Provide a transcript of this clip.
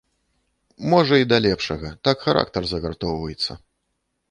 Можа, і да лепшага, так характар загартоўваецца.